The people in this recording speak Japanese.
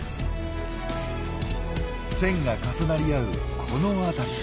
線が重なり合うこの辺り。